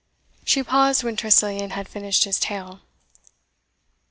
She paused when Tressilian had finished his tale.